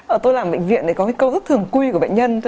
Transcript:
ở tôi làm bệnh viện thì có cái câu ước thường quy của bệnh nhân